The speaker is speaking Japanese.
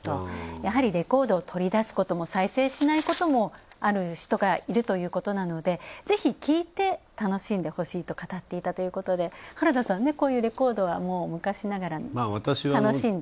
やはりレコードを取り出すことも、再生しないこともある人がいるということなのでぜひ、聴いて楽しんでほしいと語っていたということで原田さん、こういうレコードは昔ながら、楽しんだ？